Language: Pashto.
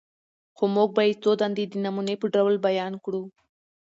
خو موږ به ئې څو دندي د نموني په ډول بيان کړو: